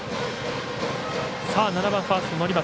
７番ファースト、乘松。